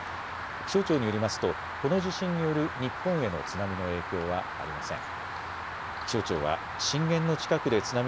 気象庁によりますとこの地震による日本への津波の影響はありません。